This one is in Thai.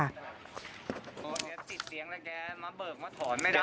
แล้วมันติดเตี๊ยงละแกมาเบิกมาถอนไม่ได้